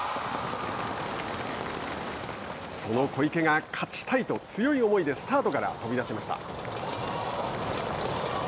その小池が「勝ちたい」と強い思いでスタートから飛び出しました。